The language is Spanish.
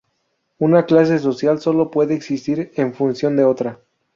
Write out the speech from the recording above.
Una clase social sólo puede existir en función de otra.